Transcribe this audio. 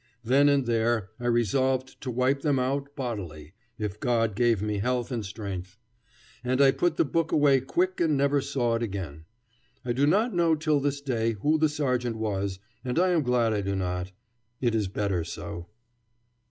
Then and there I resolved to wipe them out, bodily, if God gave me health and strength. And I put the book away quick and never saw it again. I do not know till this day who the sergeant was, and I am glad I do not. It is better so.